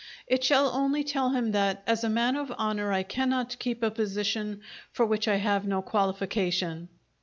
It shall only tell him that as a man of honour I cannot keep a position for which I have no qualification."